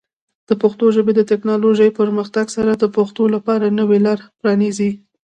د پښتو ژبې د ټیکنالوجیکي پرمختګ سره، د پښتنو لپاره نوې لارې پرانیزي.